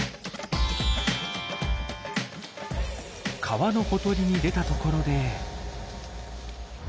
川のほとりに出た所で。